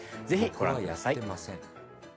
是非ご覧ください。